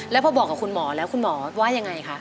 แล้วพอบอกกับคุณหมอแล้วคุณหมอว่ายังไงคะ